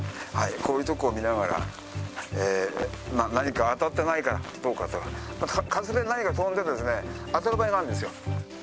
こういうところを見ながら、何か当たってないかどうかと、風で何か飛んで、当たる場合があるんですよ。